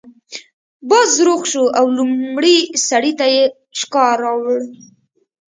باز روغ شو او لومړي سړي ته یې شکار راوړ.